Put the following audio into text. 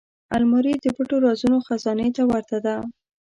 الماري د پټ رازونو خزانې ته ورته ده